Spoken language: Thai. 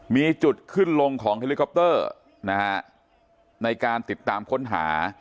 มีจุดขึ้นลงของเฮลิคอปเตอร์นะฮะในการติดตามค้นหา